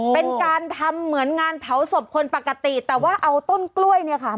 เป็นการทำเหมือนงานเผาศพคนปกติแต่ว่าเอาต้นกล้วยเนี่ยค่ะ